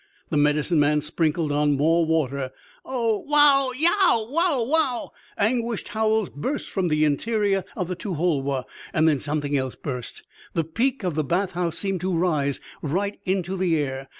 The Medicine Man sprinkled on more water. "Ow, wow! Yeow, wow wow!" Anguished howls burst from the interior of the to hol woh. Then something else burst. The peak of the bath house seemed to rise right into the air.